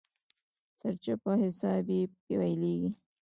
سرچپه حساب يې پيلېږي.